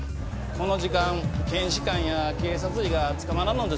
この時間検視官や警察医が捕まらんのですわ。